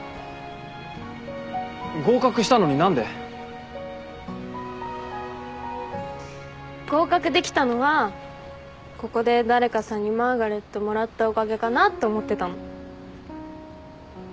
合格したのに何で。合格できたのはここで誰かさんにマーガレットもらったおかげかなって思ってたの。